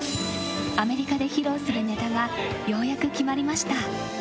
アメリカで披露するネタがようやく決まりました。